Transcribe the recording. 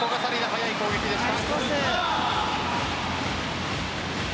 速い攻撃でした。